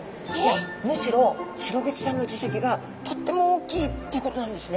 むしろシログチちゃんの耳石がとっても大きいっていうことなんですね。